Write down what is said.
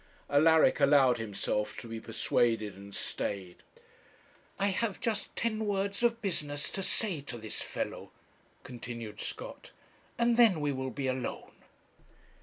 Alaric allowed himself to be persuaded and stayed. 'I have just ten words of business to say to this fellow,' continued Scott, 'and then we will be alone.'